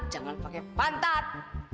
jangan pakai pantat